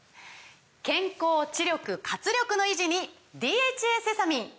健康・知力・活力の維持に「ＤＨＡセサミン」！